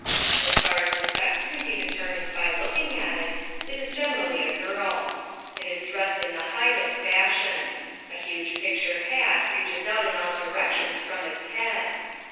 As far as the sex can be determined by looking at it, it is generally a girl. It is dressed in the height of fashion. A huge picture hat reaches out in all directions from its head.